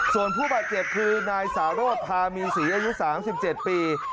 ส่วนผู้บาดเจ็บคือนายสารโรธพามีศรีอายุ๓๗ปี